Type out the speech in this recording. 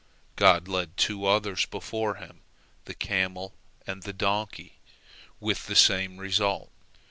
God led two others before him, the camel and the donkey, with the same result.